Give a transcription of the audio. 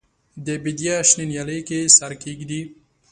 د بیدیا شنه نیالۍ کې سر کښېږدي